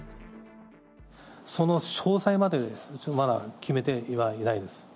その詳細まで、まだ決めてはいないです。